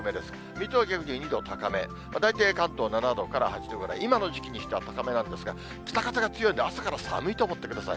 水戸は２度高め、大体関東７度から８度ぐらい、今の時期にしては高めなんですが、北風が強いんで、朝から寒いと思ってください。